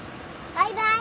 バイバイ。